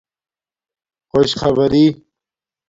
خݸش خبرݵ